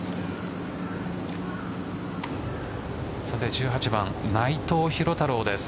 １８番、内藤寛太郎です。